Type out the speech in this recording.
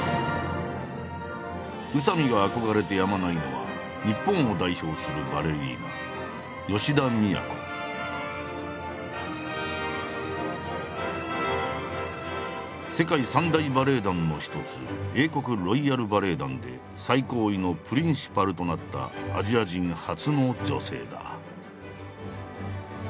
宇佐見が憧れてやまないのは日本を代表するバレリーナ世界三大バレエ団の一つ英国ロイヤル・バレエ団で最高位のプリンシパルとなったアジア人初の女性だ。